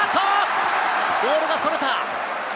ボールがそれた！